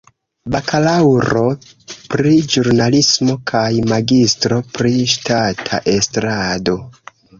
Bakalaŭro pri ĵurnalismo kaj magistro pri ŝtata estrado.